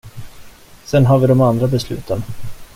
Sen har vi de andra besluten.